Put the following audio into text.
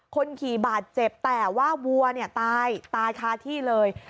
คนขี่บาดเจ็บแต่ว่าวัวเนี่ยตายตายคาที่เลย